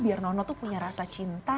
biar nono tuh punya rasa cinta